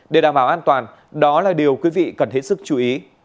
để đảm bảo an toàn đó là điều quý vị cần hết sức chú ý